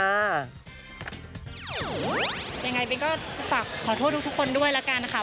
ยังไงเบนก็ฝากขอโทษทุกคนด้วยแล้วกันค่ะ